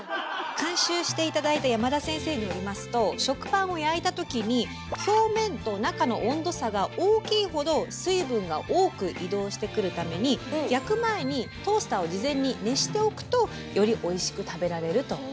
監修して頂いた山田先生によりますと食パンを焼いたときに表面と中の温度差が大きいほど水分が多く移動してくるために焼く前にトースターを事前に熱しておくとよりおいしく食べられるということです。